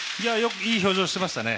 いい表情してましたね。